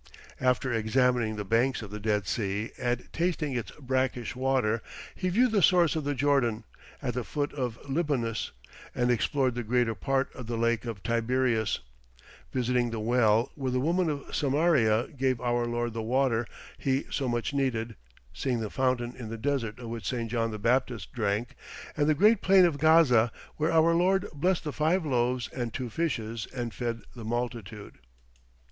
After examining the banks of the Dead Sea and tasting its brackish water, he viewed the source of the Jordan, at the foot of Libanus, and explored the greater part of the Lake of Tiberias, visiting the well where the woman of Samaria gave our Lord the water He so much needed, seeing the fountain in the desert of which St. John the Baptist drank, and the great plain of Gaza, where our Lord blessed the five loaves and two fishes, and fed the multitude.